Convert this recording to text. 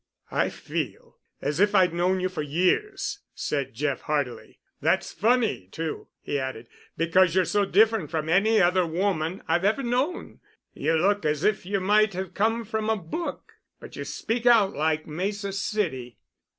"I feel as if I'd known you for years," said Jeff heartily. "That's funny, too," he added, "because you're so different from any other woman I've ever known. You look as if you might have come from a book—but you speak out like Mesa City."